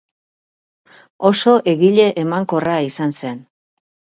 Oso egile emankorra izan zen.